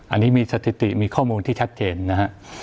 อันนี้มีสถิติมีข้อมูลที่ชัดเจนนะฮะ